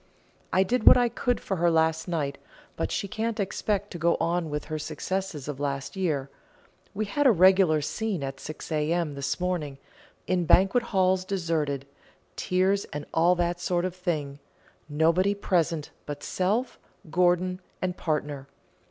I did what I could for her last night, but she can't expect to go on with her successes of last year. We had a regular scene at 6 A.M. this morning, 'in banquet halls deserted' tears, and all that sort of thing nobody present but self, Gorgon, and partner.